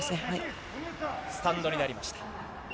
スタンドになりました。